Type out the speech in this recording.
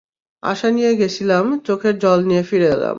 আশা নিয়ে গেছিলাম, চোখের জল নিয়ে ফিরে এলাম।